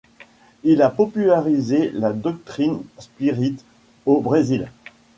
Il a popularisé la doctrine spirite au Brésil.